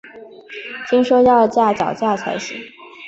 听说要架脚架才行